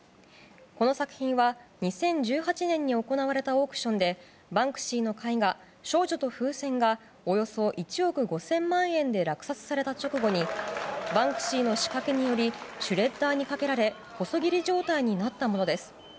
この作品は２０１８年に行われたオークションでバンクシーの絵画「少女と風船」がおよそ１億５０００万円で落札された直後にバンクシーの仕掛けによりシュレッダーにかけられ細切り状態になったものです。